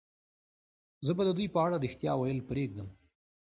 زه به د دوی په اړه رښتیا ویل پرېږدم